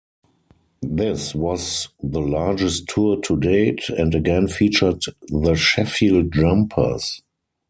This was the largest tour to date, and again featured the Sheffield Jumpers.